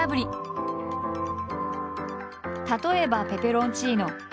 例えばペペロンチーノ。